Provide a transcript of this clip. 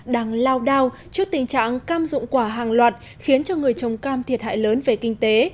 đang lao đao trước tình trạng cam dụng quả hàng loạt khiến cho người trồng cam thiệt hại lớn về kinh tế